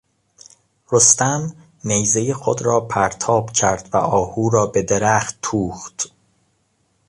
رستم نیزهی خود را پرتاب کرد و آهو را به درخت توخت.